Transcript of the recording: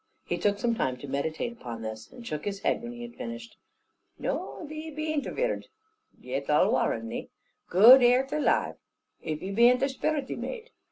He took some time to meditate upon this, and shook his head when he had finished. "Noo, thee bain't aveard yet I'll warr'ne. Gude art alaive, if e bain't a spurrity maid.